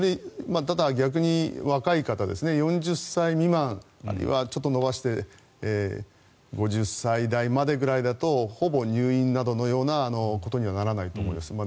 ただ、逆に若い方、４０歳未満あるいはちょっと伸ばして５０歳代までぐらいだとほぼ入院などのようなことにはならないと思います。